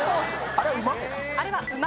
あれは馬？